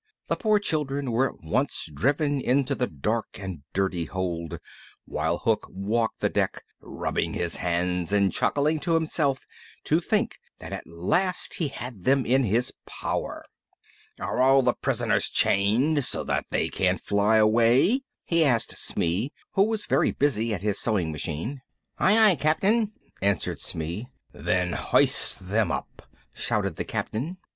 The poor children were at once driven into the dark and dirty hold, while Hook walked the deck, rubbing his hands and chuckling to himself to think that at last he had them in his power. "Are all the prisoners chained so that they can't fly away?" he asked Smee, who was very busy at his sewing machine. "Aye, aye, Captain," answered Smee. "Then hoist them up," shouted the Captain.